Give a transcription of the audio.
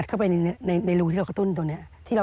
เข้าไปในรูที่เรากระตุ้นตรงนี้